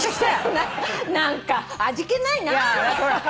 何か味気ないなぁ！